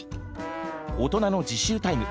大人の自習タイム